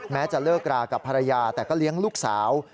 จะเลิกรากับภรรยาแต่ก็เลี้ยงลูกสาว